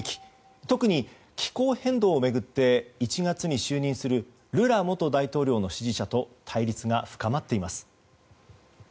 特に、気候変動を巡って１月に就任するルラ元大統領の支持者と対立が深まっています。